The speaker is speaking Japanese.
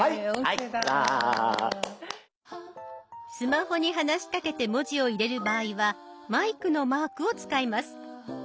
スマホに話しかけて文字を入れる場合はマイクのマークを使います。